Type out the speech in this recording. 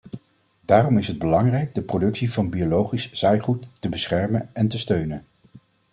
Daarom is het belangrijk de productie van biologisch zaaigoed te beschermen en te steunen.